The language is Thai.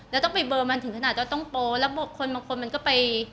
แล้วต้องไปเบอร์มันถึงขนาดจะต้องโป๊แล้วบอกคนบางคนมันก็ไป